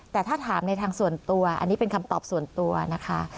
แต่ถ้าถามในทางส่วนตัวอันนี้เป็นคำตอบส่วนตัวนะคะ